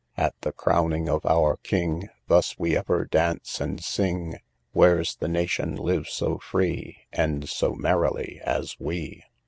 {58b} II. At the crowning of our king, Thus we ever dance and sing; Where's the nation lives so free, And so merrily as we!